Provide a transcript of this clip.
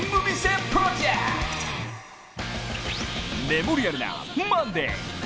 メモリアルなマンデー。